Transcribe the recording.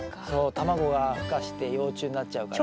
卵が孵化して幼虫になっちゃうから。